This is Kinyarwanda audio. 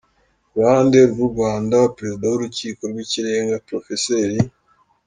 Ku ruhande rw’u Rwanda, Perezida w’Urukiko rw’Ikirenga, Prof.